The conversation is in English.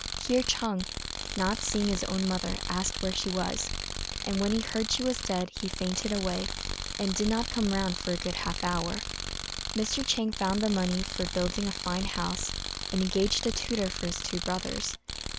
Here Ch'êng, not seeing his own mother, asked where she was; and when he heard she was dead, he fainted away, and did not come round for a good half hour. Mr. Chang found the money for building a fine house, and engaged a tutor for his two brothers.